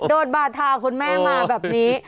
บาทาคุณแม่มาแบบนี้